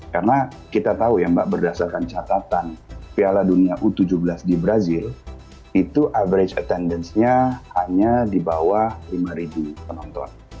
karena kita tahu ya mbak berdasarkan catatan piala dunia u tujuh belas di brazil itu average attendance nya hanya di bawah lima penonton